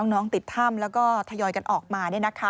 น้องติดถ้ำแล้วก็ทยอยกันออกมา